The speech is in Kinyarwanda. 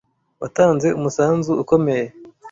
Watanze umusanzu ukomeye.